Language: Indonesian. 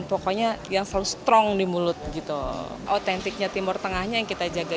pokoknya yang selalu strong di mulut gitu autentiknya timur tengahnya yang kita jaga